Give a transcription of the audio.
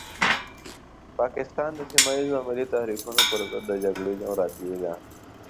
پاکستان د سيمه ييزو او ملي تحريکونو پرضد د جګړې جغرافيې ده.